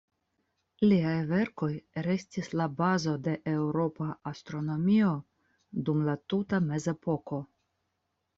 Liaj verkoj restis la bazo de eŭropa astronomio dum la tuta mezepoko.